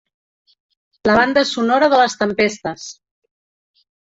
La banda sonora de les tempestes.